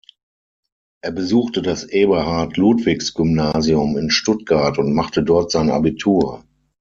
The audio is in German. Er besuchte das Eberhard-Ludwigs-Gymnasium in Stuttgart und machte dort sein Abitur.